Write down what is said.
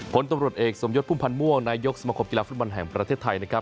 ผลตำรวจเอกสมยศพุ่มพันธ์ม่วงนายกสมคมกีฬาฟุตบอลแห่งประเทศไทยนะครับ